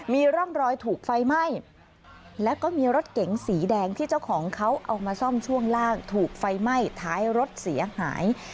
มีร่องรอยถูกไฟไหม้แล้วก็มีรถเก๋งสีแดงที่เจ้าของเขาเอามาซ่อมช่วงล่างถูกไฟไหม้ท้ายรถเสียหาย